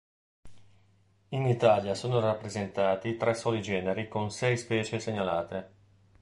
In Italia sono rappresentati tre soli generi con sei specie segnalate.